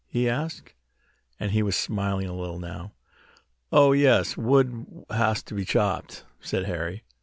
he asked, and he was smiling a little now. "Oh, yes, wood has to be chopped," said Harry.